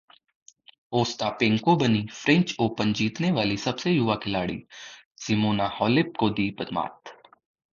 Ostapenko बनीं French Open जीतने वाली सबसे युवा खिलाड़ी, सिमोना हालेप को दी मात